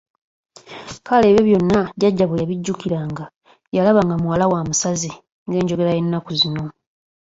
Kale ebyo byonna Jjajja bwe yabijjukiranga, yalaba nga muwala we amusaze ng'enjogera y'ennaku zino.